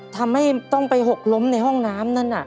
ทำให้ต้องไปหกล้มในห้องน้ำนั่น